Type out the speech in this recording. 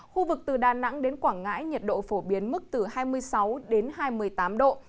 khu vực từ đà nẵng đến quảng ngãi nhiệt độ phổ biến mức từ hai mươi sáu đến hai mươi tám độ